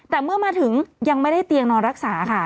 แต่เมื่อมาถึงยังไม่ได้เตียงนอนรักษาค่ะ